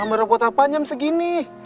ambil rapot apa nyam segini